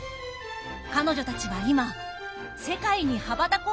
彼女たちは今世界に羽ばたこうとしています。